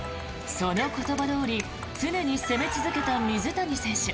その言葉どおり常に攻め続けた水谷選手。